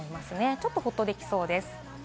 ちょっとほっとできそうです。